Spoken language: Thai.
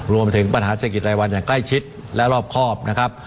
รวมถึงปัญหาเศรษฐกิจรายวันอย่างใกล้ชิดและรอบครอบนะครับ